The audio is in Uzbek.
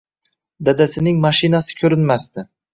Dadasining mashinasi ko`rinmasdi